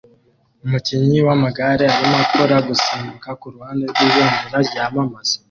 Umukinnyi wamagare arimo akora gusimbuka kuruhande rwibendera ryamamaza